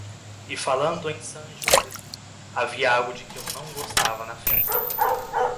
E falando em Sant Josep, havia algo de que eu não gostava na festa.